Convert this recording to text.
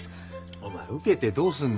お前受けてどうすんだよ。